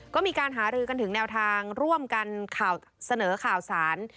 ก็มีการหารือกันถึงแนวทางร่วมกันเสนอข่าวสาร